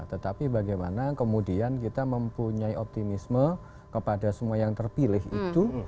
tetapi bagaimana kemudian kita mempunyai optimisme kepada semua yang terpilih itu